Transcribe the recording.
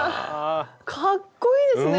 かっこいいですね。